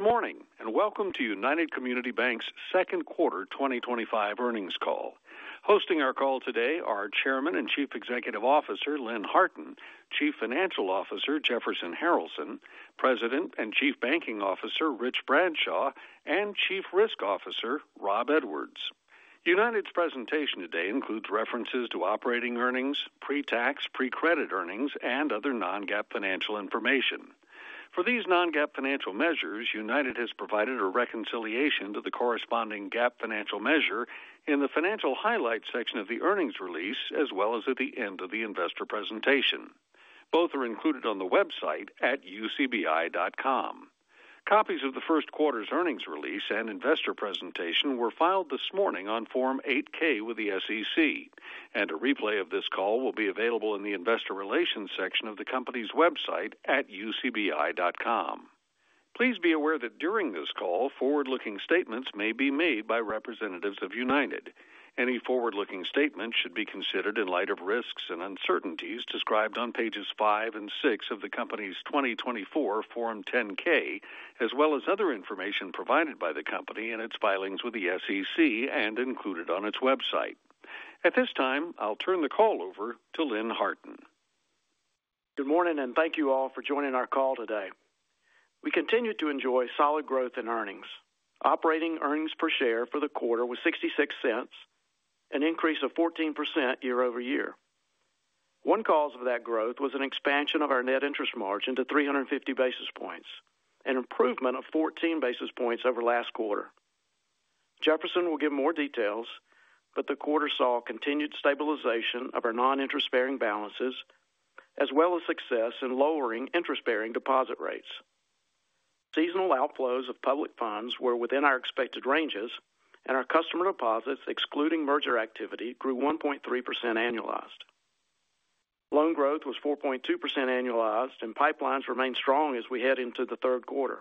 Good morning and welcome to United Community Banks' second quarter 2025 earnings call. Hosting our call today are Chairman and Chief Executive Officer Lynn Harton, Chief Financial Officer Jefferson Harralson, President and Chief Banking Officer Rich Bradshaw, and Chief Risk Officer Rob Edwards. United's presentation today includes references to operating earnings, pre-tax, pre-credit earnings, and other non-GAAP financial information. For these non-GAAP financial measures, United has provided a reconciliation to the corresponding GAAP financial measure in the Financial Highlights section of the earnings release as well as at the end of the investor presentation. Both are included on the website at ucbi.com. Copies of the first quarter's earnings release and investor presentation were filed this morning on Form 8-K with the SEC, and a replay of this call will be available in the Investor Relations section of the company's website at ucbi.com. Please be aware that during this call forward-looking statements may be made by representatives of United. Any forward-looking statements should be considered in light of risks and uncertainties described on pages five and six of the company's 2024 Form 10-K as well as other information provided by the company in its filings with the SEC and included on its website at this time. I'll turn the call over to Lynn Harton. Good morning and thank you all for joining our call today. We continue to enjoy solid growth in earnings. Operating earnings per share for the quarter was $0.66, an increase of 14% year over year. One cause of that growth was an expansion of our net interest margin to 350 basis points, an improvement of 14 basis points over last quarter. Jefferson will give more details, but the quarter saw continued stabilization of our noninterest-bearing balances as well as success in lowering interest-bearing deposit rates. Seasonal outflows of public funds were within our expected ranges and our customer deposits excluding merger activity grew 1.3% annualized. Loan growth was 4.2% annualized and pipelines remained strong. As we head into the third quarter,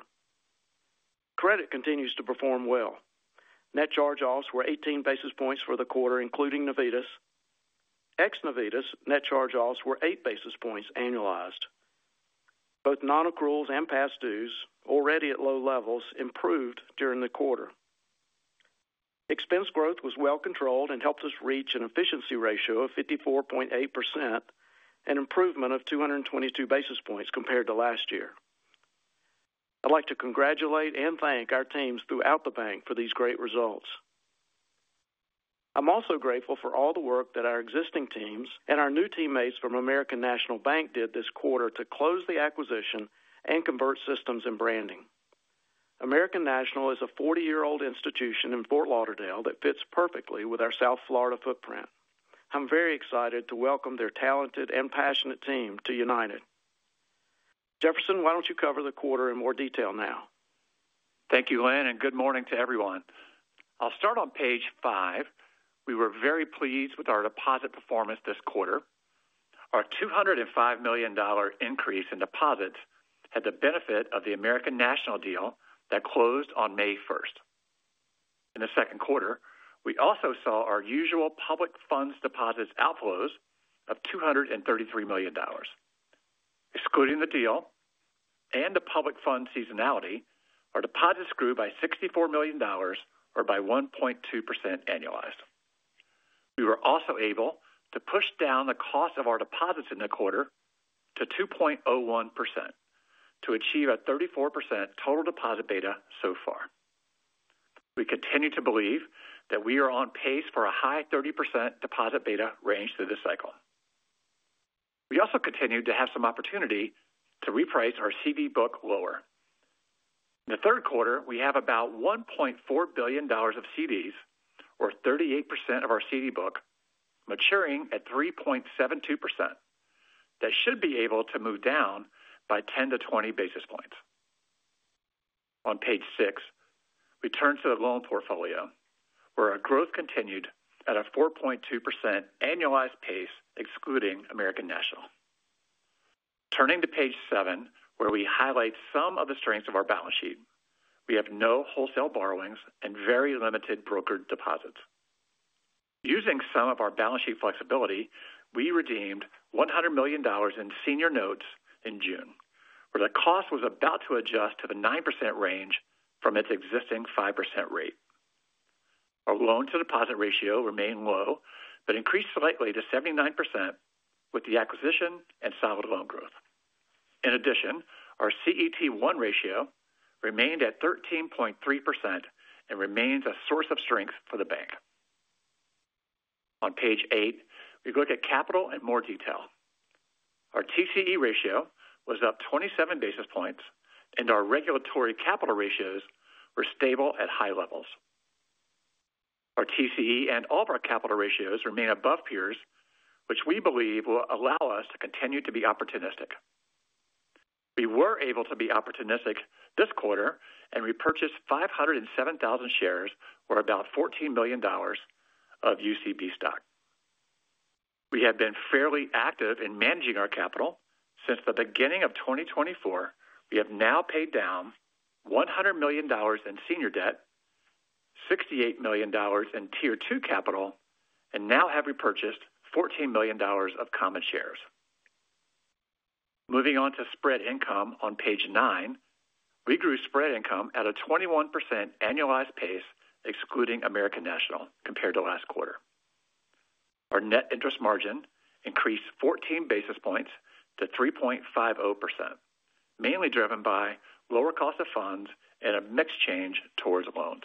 credit continues to perform well. Net charge-offs were 18 basis points for the quarter including Navitas. Ex Navitas, net charge-offs were 8 basis points annualized. Both nonaccruals and past dues, already at low levels, improved during the quarter. Expense growth was well controlled and helped us reach an efficiency ratio of 54.8%, an improvement of 222 basis points compared to last year. I'd like to congratulate and thank our teams throughout the bank for these great results. I'm also grateful for all the work that our existing teams and our new teammates from American National Bank did this quarter to close the acquisition and convert systems and branding. American National is a 40-year-old institution in Fort Lauderdale that fits perfectly with our South Florida footprint. I'm very excited to welcome their talented and passionate team to United. Jefferson, why don't you cover the quarter in more detail now? Thank you Lynn and good morning to everyone. I'll start on page five. We were very pleased with our deposit performance this quarter. Our $205 million increase in deposits had the benefit of the American National Bank deal that closed on May 1. In the second quarter, we also saw our usual public fund outflows of $233 million. Excluding the deal and the public fund seasonality, our deposits grew by $64 million or by 1.2% annualized. We were also able to push down the cost of our deposits in the quarter to 2.01% to achieve a 34% total deposit beta. We continue to believe that we are on pace for a high 30% deposit beta range through the cycle. We also continued to have some opportunity to reprice our CD book lower in the third quarter. We have about $1.4 billion of CDs or 38% of our CD book maturing at 3.72% that should be able to move down by 10 to 20 basis points. On page six, we turn to the loan portfolio where our growth continued at a 4.2% annualized pace excluding American National. Turning to page seven, where we highlight some of the strengths of our balance sheet. We have no wholesale borrowings and very limited brokered deposits. Using some of our balance sheet flexibility, we redeemed $100 million in senior notes in June where the cost was about to adjust to the 9% range from its existing 5% rate. Our loan to deposit ratio remained low but increased slightly to 79% with the acquisition and solid loan growth. In addition, our CET1 ratio remained at 13.3% and remains a source of strength for the bank. On page eight, we look at capital in more detail. Our TCE ratio was up 27 basis points and our regulatory capital ratios were stable at high levels. Our TCE and all of our capital ratios remain above peers which we believe will allow us to continue to be opportunistic. We were able to be opportunistic this quarter and repurchase 507,000 shares or about $14 million of UCB stock. We have been fairly active in managing our capital since the beginning of 2024. We have now paid down $100 million in senior debt, $68 million in tier 2 capital and now have repurchased $14 million of common shares. Moving on to spread income on page nine, we grew spread income at a 21% annualized pace excluding American National Bank compared to last quarter. Our net interest margin increased 14 basis points to 3.50%, mainly driven by lower cost of funds and a mix change towards loans.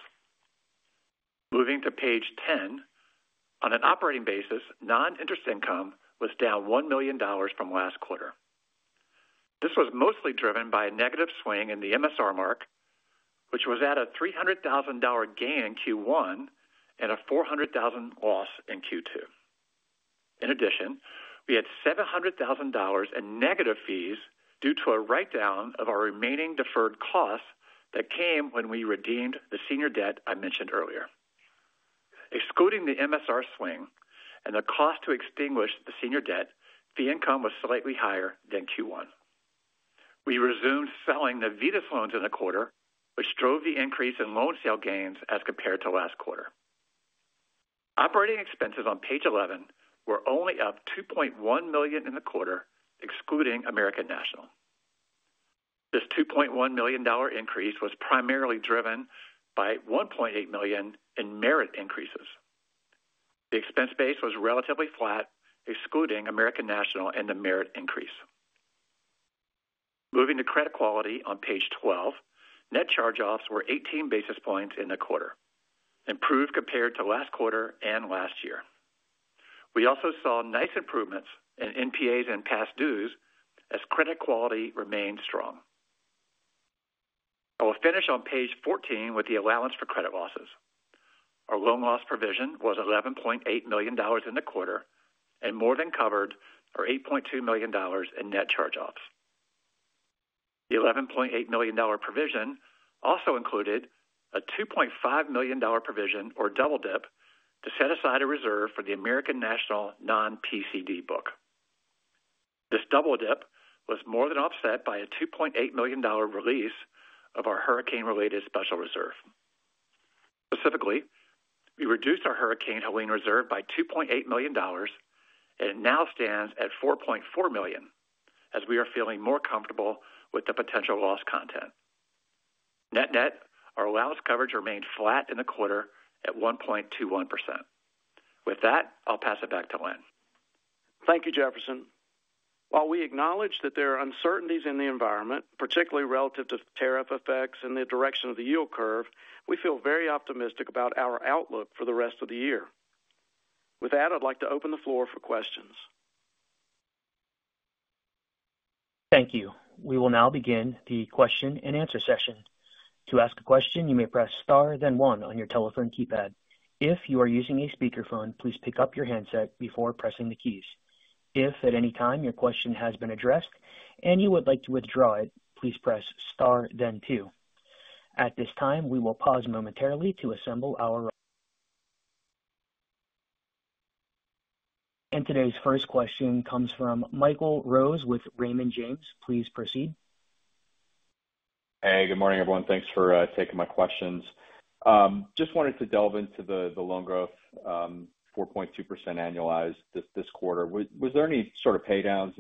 Moving to page 10 on an operating basis, noninterest income was down $1 million from last quarter. This was mostly driven by a negative swing in the MSR mark, which was at a $300,000 gain in Q1 and a $400,000 loss in Q2. In addition, we had $700,000 in negative fees due to a write-down of our remaining deferred costs that came when we redeemed the senior debt I mentioned earlier. Excluding the MSR swing and the cost to extinguish the senior debt, fee income was slightly higher than Q1. We resumed selling Navitas loans in the quarter, which drove the increase in loan sale gains as compared to last quarter. Operating expenses on page 11 were only up $2.1 million in the quarter excluding American National. This $2.1 million increase was primarily driven by $1.8 million in merit increases. The expense base was relatively flat excluding American National and the merit increase. Moving to credit quality on page 12, net charge-offs were 18 basis points in the quarter, improved compared to last quarter and last year. We also saw nice improvements in NPAs and past dues as credit quality remained strong. I will finish on page 14 with the allowance for credit losses. Our loan loss provision was $11.8 million in the quarter and more than covered our $8.2 million in net charge-offs. The $11.8 million provision also included a $2.5 million provision or double dip to set aside a reserve for the American National non-PCD book. This double dip was more than offset by a $2.8 million release of our hurricane-related special reserve. Specifically, we reduced our Hurricane Special Reserve by $2.8 million, and it now stands at $4.4 million. As we are feeling more comfortable with the potential loss content, net net, our allowance coverage remained flat in the quarter at 1.21%. With that, I'll pass it back to Lynn. Thank you, Jefferson. While we acknowledge that there are uncertainties in the environment, particularly relative to tariff effects and the direction of the yield curve, we feel very optimistic about our outlook for the rest of the year. With that, I'd like to open the floor for questions. Thank you. We will now begin the question and answer session. To ask a question, you may press star then one on your telephone keypad. If you are using a speakerphone, please pick up your handset before pressing the keys. If at any time your question has been addressed and you would like to withdraw it, please press star then two. At this time, we will pause momentarily to assemble our questions, and today's first question comes from Michael Rose with Raymond James. Please proceed. Hey, good morning everyone. Thanks for taking my questions. Just wanted to delve into the loan growth. 4.2% annualized this quarter. Was there any sort of pay downs?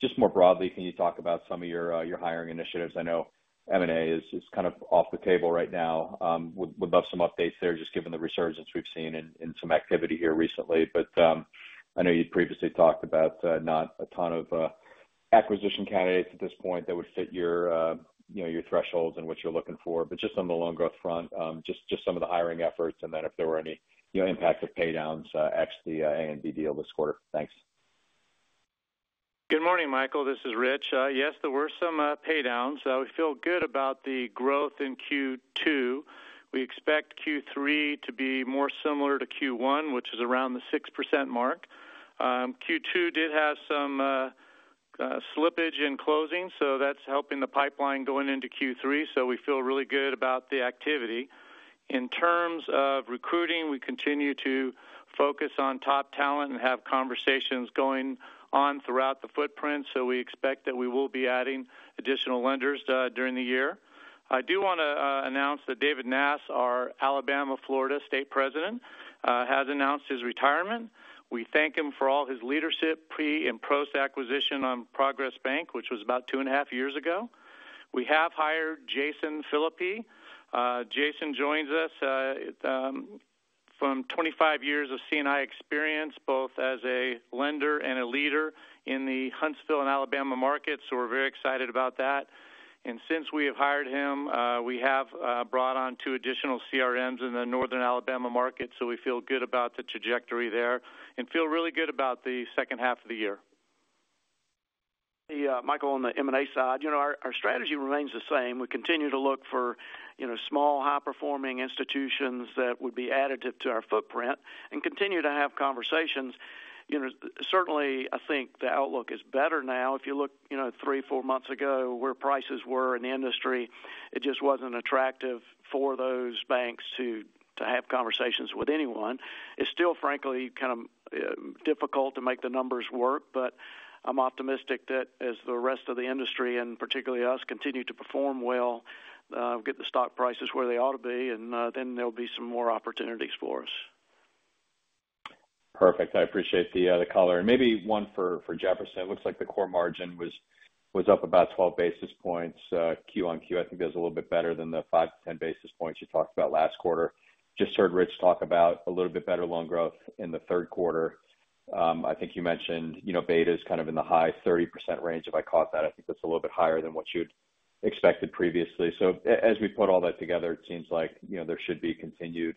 Just more broadly, can you talk about some of your hiring initiatives? I know M&A is kind of off the table right now. Would love some updates there just given the resurgence we've seen in some activity here recently. I know you'd previously talked about not a ton of acquisition candidates at this point that would fit your thresholds and what you're looking for. Just on the loan growth front, just some of the hiring efforts and then if there were any impact of pay downs deal this quarter. Thanks. Good morning, Michael. This is Rich. Yes, there were some pay downs. We feel good about the growth in Q2. We expect Q3 to be more similar to Q1, which is around the 6% mark. Q2 did have some slippage in closing, that's helping the pipeline going into Q3. We feel really good about the activity in terms of recruiting. We continue to focus on top talent and have conversations going on throughout the footprint. We expect that we will be adding additional lenders during the year. I do want to announce that David Nass, our Alabama/Florida State President, has announced his retirement. We thank him for all his leadership pre and post acquisition on Progress Bank, which was about two and a half years ago. We have hired Jason Phillippi. Jason joins us from 25 years of CNI experience both as a lender and a leader in the Huntsville and Alabama market. We're very excited about that. Since we have hired him, we have brought on two additional CRMs in the northern Alabama market. We feel good about the trajectory there and feel really good about the second half of the year. Michael, on the M&A side, our strategy remains the same. We continue to look for small, high performing institutions that would be additive to our footprint and continue to have conversations. Certainly, I think the outlook is better now. If you look three, four months ago where prices were in the industry, it just wasn't attractive for those banks to have conversations with anyone. It's still, frankly, kind of difficult to make the numbers work. I'm optimistic that as the rest of the industry, and particularly us, continue to perform well, get the stock prices where they ought to be, there'll be some more opportunities for us. Perfect. I appreciate the color and maybe one for Jefferson. It looks like the core margin was up about 12 basis points quarter on quarter. I think that's a little bit better than the 5 to 10 basis points you talked about last quarter. Just heard Rich talk about a little bit better loan growth in the third quarter. I think you mentioned beta is kind of in the high 30% range, if I caught that. I think that's a little bit higher than what you'd expected previously. As we put all that together, it seems like there should be continued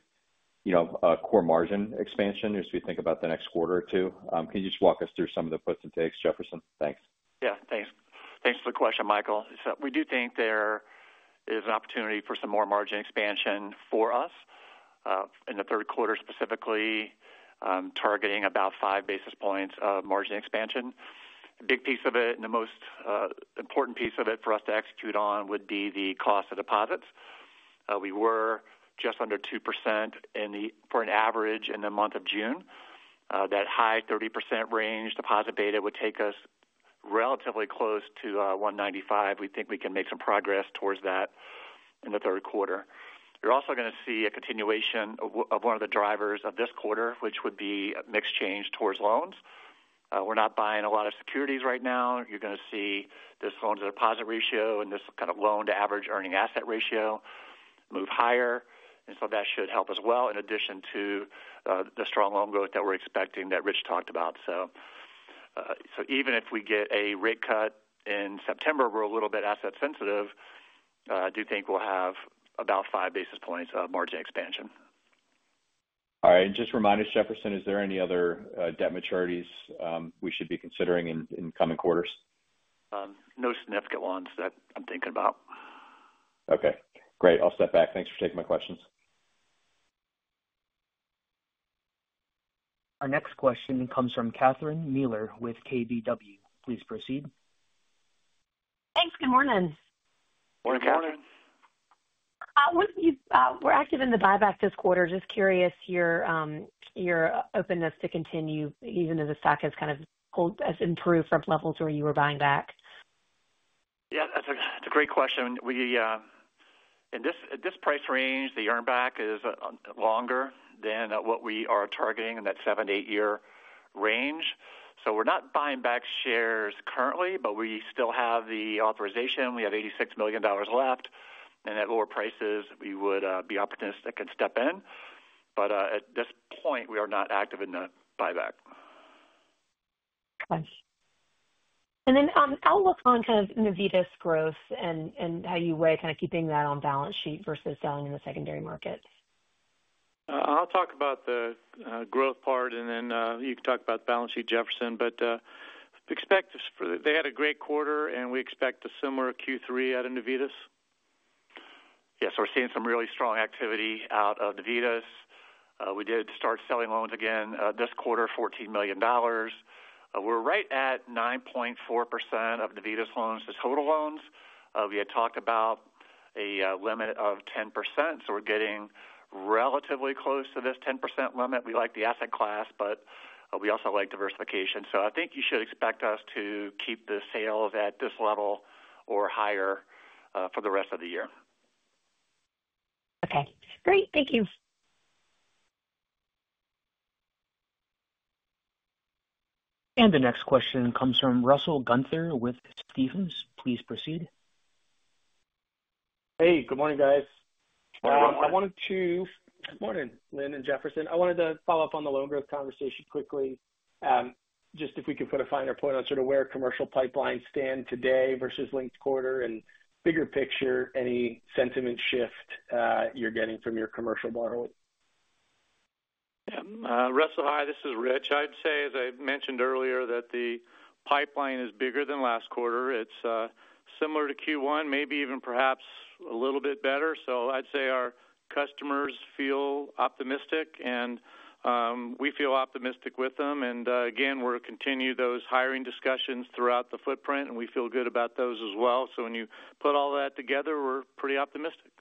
core margin expansion as we think about the next quarter or two. Can you just walk us through some of the puts and takes? Jefferson, thanks. Yeah, thanks. Thanks for the question, Michael. We do think there is an opportunity for some more margin expansion for us in the third quarter, specifically targeting about 5 basis points of margin expansion. A big piece of it, and the most important piece of it for us to execute on, would be the cost of deposits. We were just under 2% for an average in the month of June. That high 30% range deposit beta would take us relatively close to 1.95%. We think we can make some progress towards that in the third quarter. You're also going to see a continuation of one of the drivers of this quarter, which would be mix change towards loans. We're not buying a lot of securities right now. You're going to see this loan to deposit ratio and this kind of loan to average earning asset ratio move higher, and that should help as well. In addition to the strong loan growth that we're expecting that Rich talked about. Even if we get a rate cut in September, we're a little bit asset sensitive. I do think we'll have about 5 basis points of margin expansion. All right, just remind us, Jefferson, is there any other debt maturities we should be considering in coming quarters? No significant ones that I'm thinking about. Okay, great. I'll step back. Thanks for taking my questions. Our next question comes from Catherine Mealor with KBW. Please proceed. Thanks. Good morning. Morning Catherine. were active in the buyback this quarter. Just curious your openness to continue even though the stock has kind of held as improved from levels where you were buying back. Yeah, that's a great question. In this price range, the earn back is longer than what we are targeting in that 7, 8 year range. We are not buying back shares currently, but we still have the authorization. We have $86 million left, and at lower prices we would be opportunistic and step in. At this point we are not active in the buyback. Then outlook on kind of Navitas. Growth and how you weigh kind of keeping that on balance sheet versus selling in the secondary market. I'll talk about the growth part, and then you can talk about the balance sheet, Jefferson. Expect they had a great quarter, and we expect a similar Q3 out of Navitas. Yes, we're seeing some really strong activity out of Navitas. We did start selling loans again this quarter. $14 million. We're right at 9.4% of Navitas loans, the total loans. We had talked about a limit of 10%, so we're getting relatively close to this 10% limit. We like the asset class, but we also like diversification. I think you should expect us to keep the sales at this level or higher for the rest of the year. Okay, great. Thank you. The next question comes from Russell Gunther with Stephens. Please proceed. Hey, good morning guys. Good morning Lynn and Jefferson. I wanted to follow up on the loan growth conversation quickly. Just if we could put a finer point on sort of where commercial pipelines stand today versus linked quarter and bigger picture, any sentiment shift you're getting from your commercial borrowers? Russell, hi, this is Rich. I'd say as I mentioned earlier, the pipeline is bigger than last quarter. It's similar to Q1, maybe even perhaps bigger. A little bit better. Our customers feel optimistic and we feel optimistic with them. We're continuing those hiring discussions throughout the footprint and we feel good about those as well. When you put all that together, we're pretty optimistic.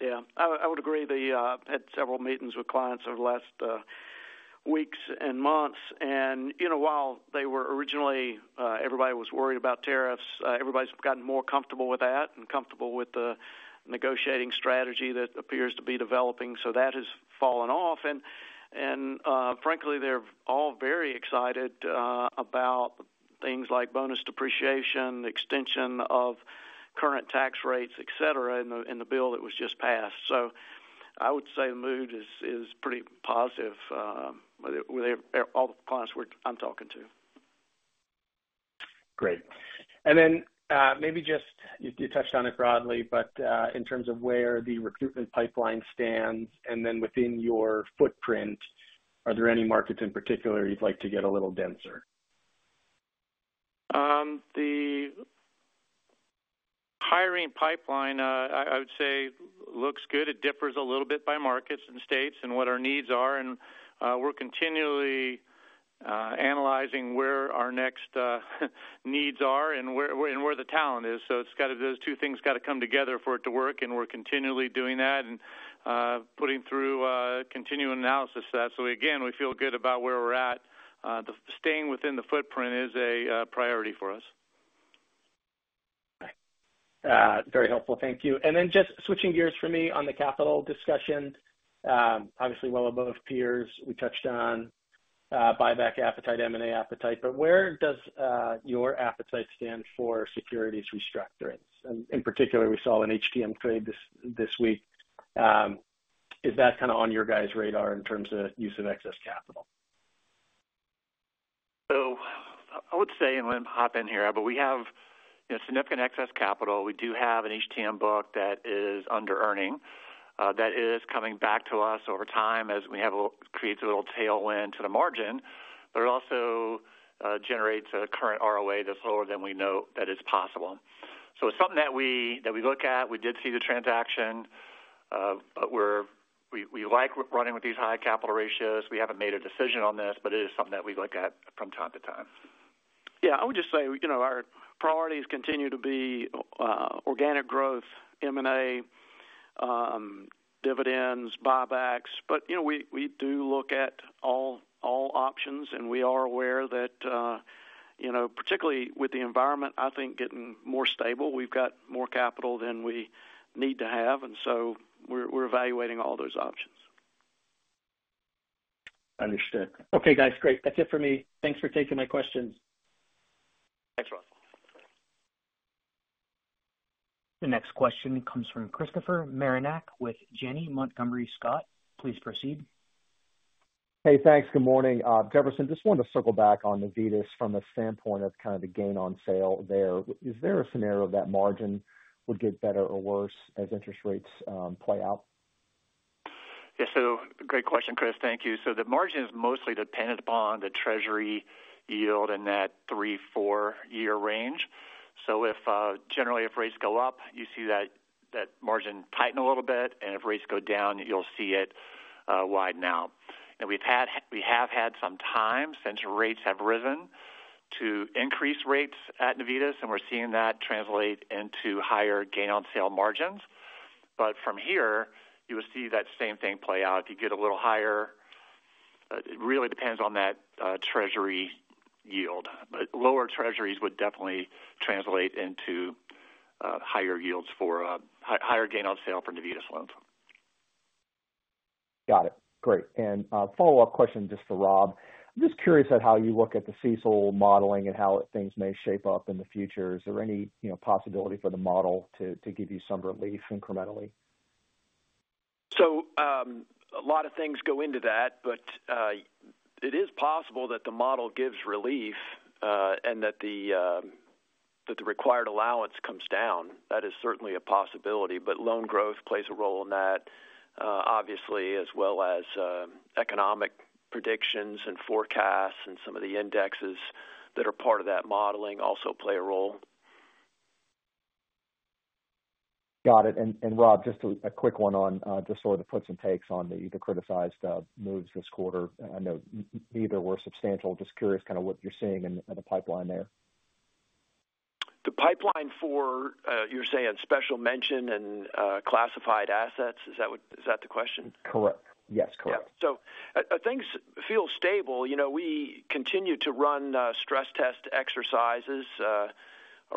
Yeah, I would agree. I had several meetings with clients over the last weeks and months and, you know, while they were originally, everybody was worried about tariffs. Everybody's gotten more comfortable with that and comfortable with the negotiating strategy that appears to be developing. That has fallen off, and frankly, they're all very excited about things like bonus depreciation, extension of current tax rates, et cetera, in the bill that was just passed. I would say the mood is pretty positive with all the clients I'm talking to. Great. You touched on it broadly. In terms of where the recruitment pipeline stands within your footprint, are there any markets in particular you'd highlight? Like to get a little denser? The. Hiring pipeline I would say looks good. It differs a little bit by markets and states and what our needs are, and we're continually analyzing where our next needs are and where the talent is. Those two things have to come together for it to work, and we're continually doing that and putting through continuing analysis. We feel good about where we're at. Staying within the footprint is a priority for us. Very helpful, thank you. Just switching gears for me on the capital discussion, obviously well above peers, we touched on buyback appetite, M&A appetite. Where does your appetite stand for securities restructuring? In particular, we saw an HTM trade this week. Is that kind of on your guys' radar in terms of use of excess capital? I would say we have significant excess capital. We do have an HTM book that is under earning that is coming back to us over time, which creates a little tailwind to the margin, but it also generates a current ROA that's lower than we know is possible. It's something that we look at. We did see the transaction, but we like running with these high capital ratios. We haven't made a decision on this, but it is something that we look at from time to time. I would just say, you know, our priorities continue to be organic growth, M&A, dividends, buybacks. You know, we do look at all options and we are aware that, you know, particularly with the environment I think getting more stable, we've got more capital than we need to have and so we're evaluating all those options. Understood. Okay, guys, great. That's it for me. Thanks for taking my questions. Thanks, Russell. The next question comes from Christopher Marinac with Janney Montgomery Scott. Please proceed. Hey, thanks. Good morning, Jefferson. Just wanted to circle back on Navitas from the standpoint of the gain on sale there. Is there a scenario that margin would get better or worse as interest rates play out? Yeah. Great question, Chris. Thank you. The margin is mostly dependent upon the treasury yield in that three, four year range. Generally, if rates go up, you see that margin tighten a little bit, and if rates go down, you'll see it widen out. We have had some time since rates have risen to increase rates at Navitas, and we're seeing that translate into higher gain on sale margins. From here, you will see that same thing play out if you get a little higher. It really depends on that treasury yield. Lower treasuries would definitely translate into higher yields for higher gain on sale for Navitas loans. Got it. Great. have a follow-up question just for Rob. I'm just curious at how you look at the CECL modeling and how things may shape up in the future. Is there any possibility for the model? To give you some relief incrementally? A lot of things go into that, but it is possible that the model gives relief and that the required allowance comes down. That is certainly a possibility. Loan growth plays a role in that, obviously, as well as economic predictions and forecasts, and some of the indexes that are part of that modeling also play a role. Got it. Rob, just a quick one on the sort of puts and takes on. The criticized moves this quarter. I know neither were substantial. Just curious, kind of what you're seeing in the pipeline there. The pipeline for, you're saying, special mention and classified assets. Is that the question? Correct? Yes, correct. Things feel stable. We continue to run stress test exercises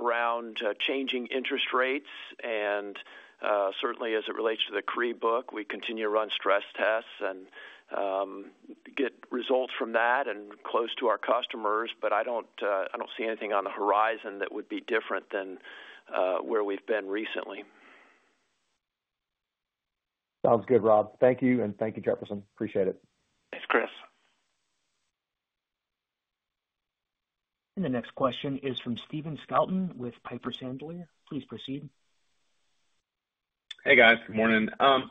around changing interest rates and certainly as it relates to the CRE book, we continue to run stress tests and get results from that and close to our customers. I don't see anything on the horizon that would be different than where we've been recently. Sounds good, Rob. Thank you. Thank you, Jefferson. Appreciate it. Thanks, Chris. The next question is from Steven Skelton with Piper Sandler. Please proceed. Hey guys, good morning. I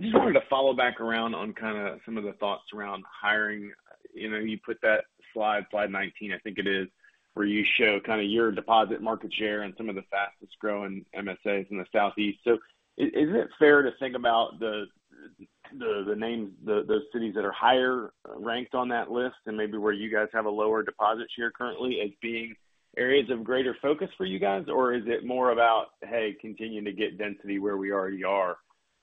just wanted to follow back around on kind of some of the thoughts around hiring. You know, you put that slide, slide. 19, I think it is where you. Show your deposit market share in some of the fastest growing MSAs in the Southeast. Is it fair to think about the names, those cities that are higher ranked on that list and maybe. Where you guys have a lower deposit share currently, are those being areas of greater focus for you guys? Is it more about continuing to get density where we already are?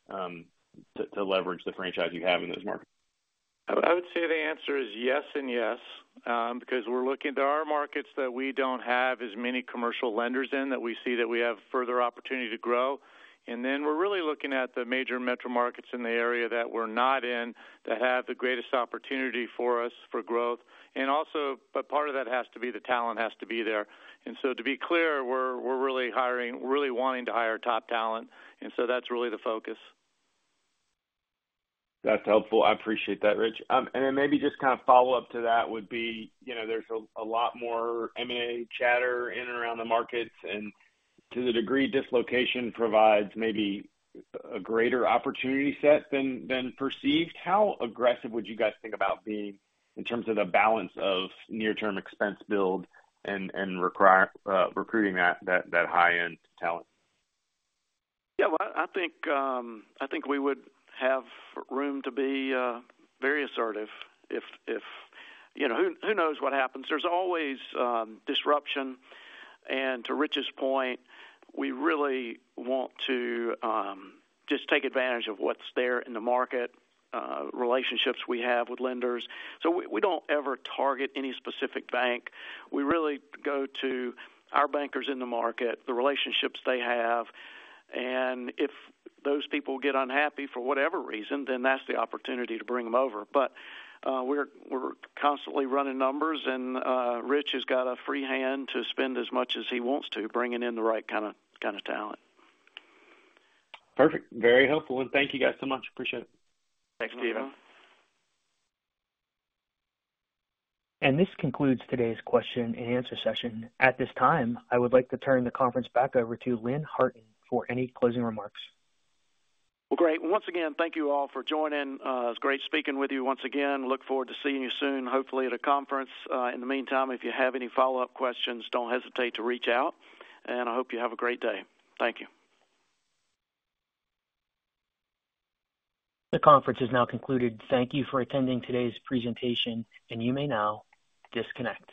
To leverage the franchise you have in those markets? I would say the answer is yes and yes, because we're looking. There are markets that we don't have as many commercial lenders in that we see that we have further opportunity to grow. We're really looking at the major metro markets in the area that we're not in that have the greatest opportunity for us for growth. Part of that has to be the talent has to be there. To be clear, we're really hiring, really wanting to hire top talent, and that's really the focus. That's helpful. I appreciate that, Rich. Maybe just kind of follow up to that would be, you know, there's a lot more M&A chatter in and around the markets, and to the degree dislocation provides maybe a greater opportunity set than perceived. How aggressive would you guys think about? In terms of the balance of near term expense build and recruiting that high end talent, I think we would have room to be very assertive if who knows what happens. There's always disruption, and to Rich's point, we really want to just take advantage of what's there in the market relationships we have with lenders, so we don't ever target any specific bank. We really go to our bankers in the market, the relationships they have, and if those people get unhappy for whatever reason, that's the opportunity to bring them over. We're constantly running numbers, and Rich has got a free hand to spend as much as he wants to bringing in the right kind of talent. Perfect. Very helpful, and thank you guys so much. Appreciate it. Thanks, Steven. This concludes today's question and answer session. At this time I would like to turn the conference back over to Lynn Harton for any closing remarks. Well, great. Once again, thank you all for joining. It's great speaking with you once again. Look forward to seeing you soon, hopefully at a conference. In the meantime, if you have any follow-up questions, don't hesitate to reach out, and I hope you have a great day. Thank you. The conference has now concluded. Thank you for attending today's presentation, and you may now disconnect.